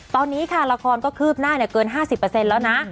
ตอนนี้ค่ะละครก็คืบหน้าเกิน๕๐แล้วนะ